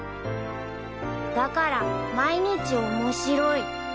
［だから毎日面白い］